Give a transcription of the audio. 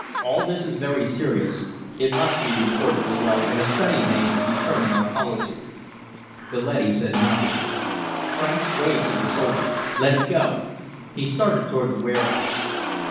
"All this is very serious. It must be reported below and a study made to determine our policy." The leady said nothing. Franks waved to the soldiers. "Let's go." He started toward the warehouse.